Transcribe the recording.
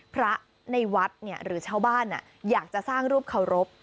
พระในวัดหรือชาวบ้านอยากจะสร้างรูปเคารพ